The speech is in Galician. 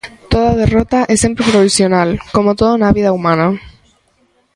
Toda derrota é sempre provisional, como todo na vida humana.